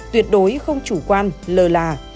tuyệt đối không chủ quan lờ là